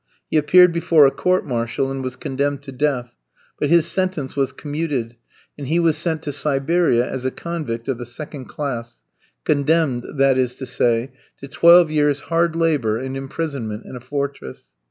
He appeared before a court martial, and was condemned to death; but his sentence was commuted, and he was sent to Siberia as a convict of the second class condemned, that is to say, to twelve years' hard labour and imprisonment in a fortress.